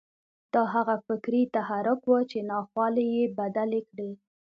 دا هغه فکري تحرک و چې ناخوالې يې بدلې کړې.